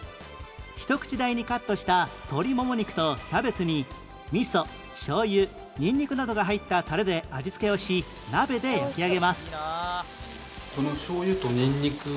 ひと口大にカットした鶏もも肉とキャベツに味噌しょうゆニンニクなどが入ったタレで味付けをし鍋で焼き上げます